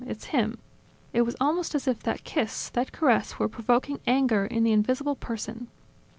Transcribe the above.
It's him!" it was almost as if that kiss, that caress were provoking anger in the invisible person.